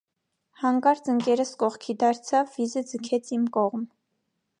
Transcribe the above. Հանկարծ ընկերս կողքի դարձավ, վիզը ձգեց իմ կողմ: